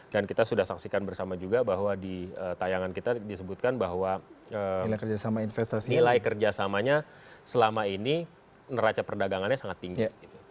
dan kita sudah saksikan bersama juga bahwa di tayangan kita disebutkan bahwa nilai kerjasama investasinya selama ini neraca perdagangannya sangat tinggi